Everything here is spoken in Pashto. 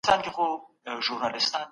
جزيه يوازې د عاقل کس څخه اخيستل کيږي.